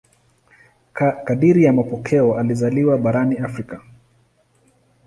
Kadiri ya mapokeo alizaliwa barani Afrika.